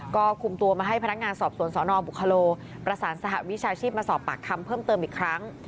ก็คุมตัวมาให้พนักงานสอบสวนสนบุคโลประสานสหวิชาชีพมาสอบปากคำเพิ่มเติมอีกครั้ง